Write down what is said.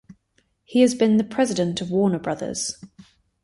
He has been the president of Warner Bros.